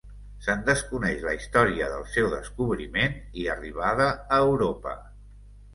Se'n desconeix la història del seu descobriment i arribada a Europa.